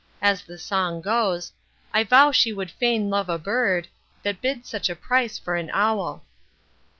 as the song goes I vow she would fain have a burd That bids such a price for an owl.